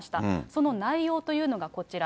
その内容というのがこちら。